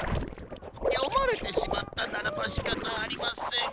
よまれてしまったならばしかたありません。